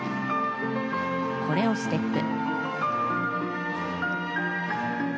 コレオステップ。